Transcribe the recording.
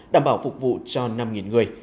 đảm bảo phục vụ cho năm người